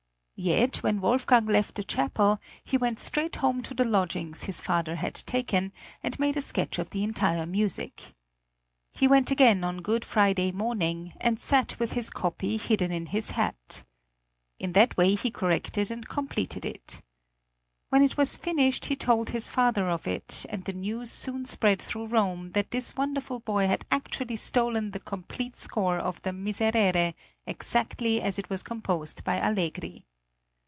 Yet, when Wolfgang left the Chapel he went straight home to the lodgings his father had taken, and made a sketch of the entire music. He went again on Good Friday morning, and sat with his copy hidden in his hat. In that way he corrected and completed it. When it was finished he told his father of it, and the news soon spread through Rome that this wonderful boy had actually stolen the complete score of the "Miserere" exactly as it was composed by Allegri.